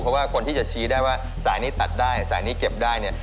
เพราะว่าคนที่จะชี้ได้ว่าสายนี้ตัดได้สายนี้เก็บได้เนี่ย